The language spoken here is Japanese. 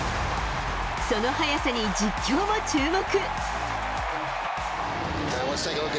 その速さに実況も注目。